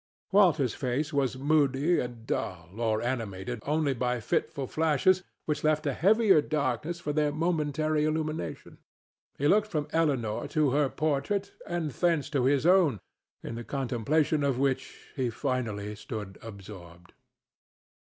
Walter's face was moody and dull or animated only by fitful flashes which left a heavier darkness for their momentary illumination. He looked from Elinor to her portrait, and thence to his own, in the contemplation of which he finally stood absorbed.